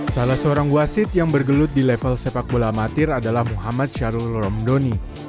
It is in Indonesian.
salah seorang wasit yang bergelut di level sepak bola amatir adalah muhammad syarul romdoni